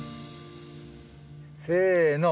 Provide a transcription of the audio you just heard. せの！